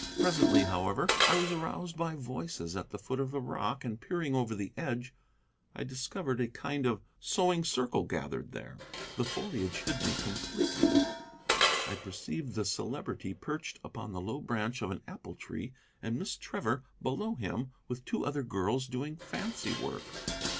Presently, however, I was aroused by voices at the foot of the rock, and peering over the edge I discovered a kind of sewing circle gathered there. The foliage hid me completely. I perceived the Celebrity perched upon the low branch of an apple tree, and Miss Trevor below him, with two other girls, doing fancy work.